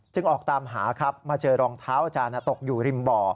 ออกตามหาครับมาเจอรองเท้าอาจารย์ตกอยู่ริมบ่อ